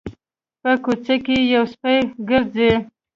په کوڅه کې یو سپی ګرځي